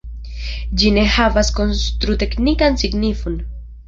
Ĝi ne havas konstru-teknikan signifon.